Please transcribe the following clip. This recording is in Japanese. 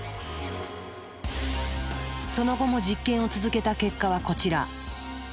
その後も実験を続けた結果はこちら。